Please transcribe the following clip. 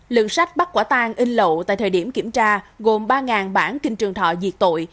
lượng sách bắt quả tang in lậu tại thời điểm kiểm tra gồm ba bản kinh trường thọ diệt tội